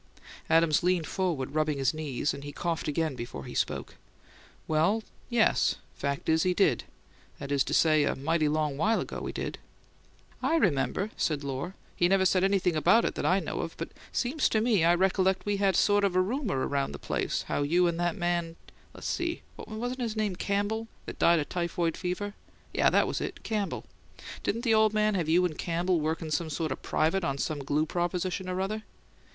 Adams leaned forward, rubbing his knees; and he coughed again before he spoke. "Well, yes. Fact is, he did. That is to say, a mighty long while ago he did." "I remember," said Lohr. "He never said anything about it that I know of; but seems to me I recollect we had sort of a rumour around the place how you and that man le's see, wasn't his name Campbell, that died of typhoid fever? Yes, that was it, Campbell. Didn't the ole man have you and Campbell workin' sort of private on some glue proposition or other?"